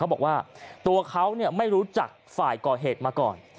บอกว่าตัวเขาไม่รู้จักฝ่ายก่อเหตุมาก่อน